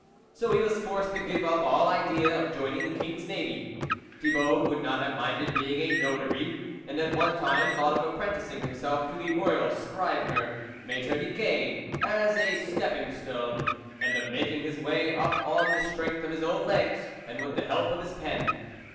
So he was forced to give up all idea of joining the King's Navy. Thibault would not have minded being a Notary, and at one time thought of apprenticing himself to the Royal Scrive ner, Maitre Niquet, as a stepping stone, and of making his way up on the strength of his own legs and with the help of his pen.